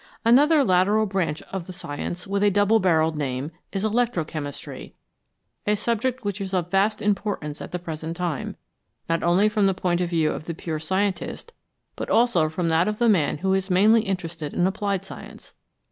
Another lateral branch of the science with a double barrelled name is " Electro chemistry," a subject which is of vast importance at the present time, not only from the point of view of the pure scientist, but also from that of the man who is mainly interested in applied science.